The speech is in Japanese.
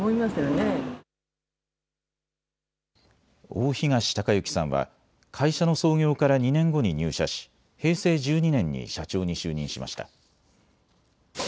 大東隆行さんは会社の創業から２年後に入社し平成１２年に社長に就任しました。